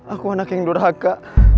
aku anak yang durhaka